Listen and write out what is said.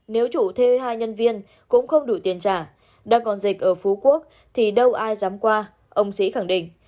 nếu chủ thuê hai nhân viên cũng không đủ tiền trả đang còn dịch ở phú quốc thì đâu ai dám qua ông sĩ khẳng định